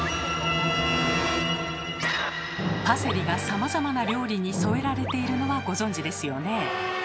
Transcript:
パセリがさまざまな料理に添えられているのはご存じですよね？